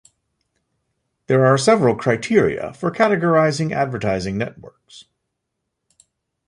There are several criteria for categorizing advertising networks.